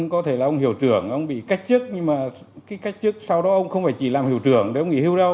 cái cách chức sau đó ông không phải chỉ làm hiệu trưởng để ông nghỉ hưu đâu